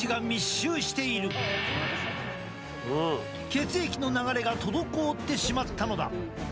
血液の流れが滞ってしまったのだ。